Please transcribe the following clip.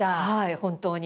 本当に。